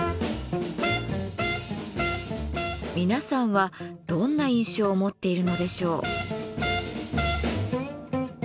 皆さんはどんな印象を持っているのでしょう？